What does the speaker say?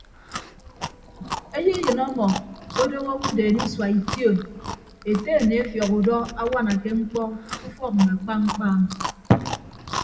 Eyeyịn ọmọ odooho owodeen isua ition ete aniefiọk udọ awanake mkpọ ke ufọk mme akpa mkpa ami.